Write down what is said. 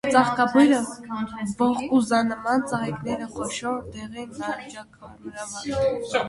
Ծաղկաբույլը ողկուզանման է, ծաղիկները՝ խոշոր, դեղին, նարնջակարմրավուն։